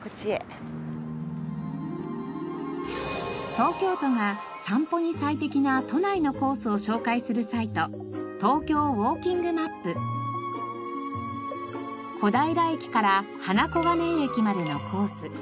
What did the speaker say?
東京都が散歩に最適な都内のコースを紹介するサイト小平駅から花小金井駅までのコース。